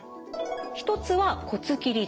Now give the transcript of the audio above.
一つは骨切り術。